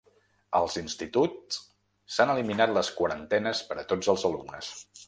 Als instituts s’han eliminat les quarantenes per a tots els alumnes.